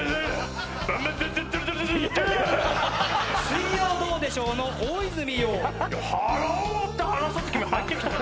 『水曜どうでしょう』の大泉洋。